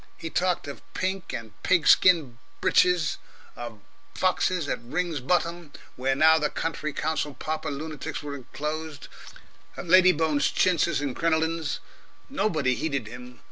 He talked of pink and pig skin breeches, of foxes at Ring's Bottom, where now the County Council pauper lunatics were enclosed, of Lady Bone's chintzes and crinolines. Nobody heeded him.